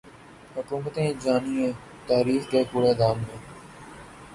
حکومتیں جائیں تاریخ کے کوڑے دان میں۔